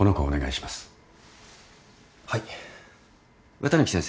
綿貫先生